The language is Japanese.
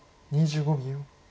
２５秒。